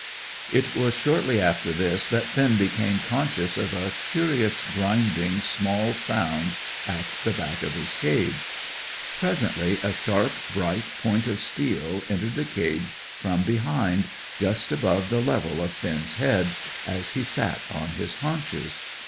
It was shortly after this that Finn became conscious of a curious grinding small sound at the back of his cage. Presently a sharp, bright point of steel entered the cage from behind, just above the level of Finn's head, as he sat on his haunches.